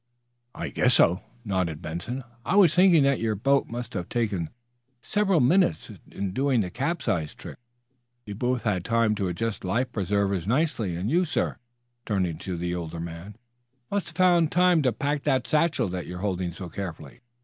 "I guess so," nodded Benson. "I was thinking that your boat must have taken several minutes in doing the capsizing trick. You both had time to adjust life preservers nicely, and you, sir," turning to the older man, "must have found time to pack the satchel that you're holding so carefully."